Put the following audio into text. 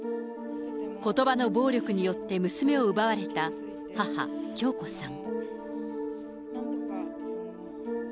ことばの暴力によって娘を奪われた母、響子さん。